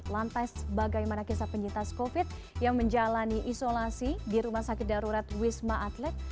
lantas bagaimana kisah penyintas covid yang menjalani isolasi di rumah sakit darurat wisma atlet